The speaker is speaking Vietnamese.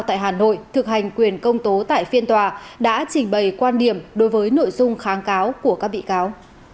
tại hà nội thực hành quyền công tố tại phiên tòa đã trình bày quan điểm đối với nội dung kháng cáo của các bị cáo